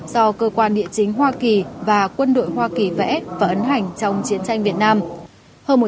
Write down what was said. do cơ quan địa chính hoa kỳ và quân đội hoa kỳ vẽ và ấn hành trong chiến tranh việt nam